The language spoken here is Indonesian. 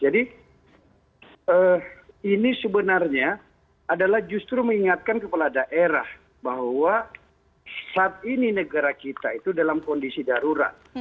jadi ini sebenarnya adalah justru mengingatkan kepala daerah bahwa saat ini negara kita itu dalam kondisi darurat